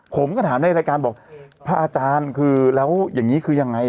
ผมก็ถามในรายการบอกพระอาจารย์คือแล้วอย่างนี้คือยังไง